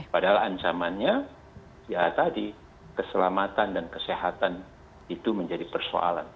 padahal ancamannya ya tadi keselamatan dan kesehatan itu menjadi persoalan